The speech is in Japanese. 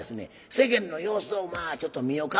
世間の様子を「まあちょっと見よか」